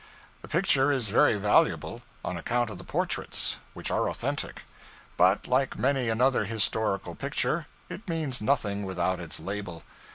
The picture is very valuable, on account of the portraits, which are authentic. But, like many another historical picture, it means nothing without its label.